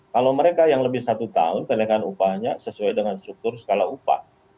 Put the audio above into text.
kalau mereka yang lebih satu tahun kenaikan upahnya sesuai dengan struktur skala upah